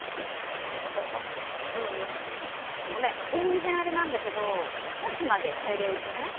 ごめん全然あれなんだけどさっきまでパイレオいてね。